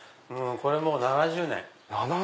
これもう７０年。